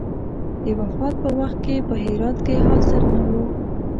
د وفات په وخت کې په هرات کې حاضر نه وو.